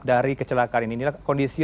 dari kecelakaan inilah kondisi